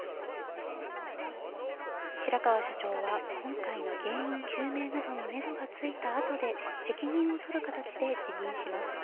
白川社長は、今回の原因究明などにメドがついたあとで、責任を取る形で辞任します。